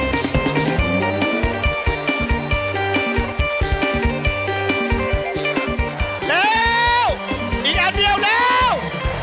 เร็วอินอันเร็วเร็ว